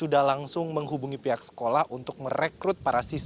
k jalurnya dengan ada sebuah heldan yang bernama rwb